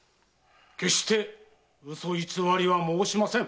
決して嘘偽りは申しません。